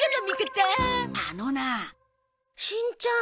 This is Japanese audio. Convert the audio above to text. しんちゃん